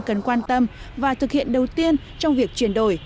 cần quan tâm và thực hiện đầu tiên trong việc chuyển đổi